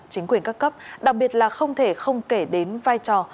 chính quyền các cấp đặc biệt là không thể không kể đến vai trò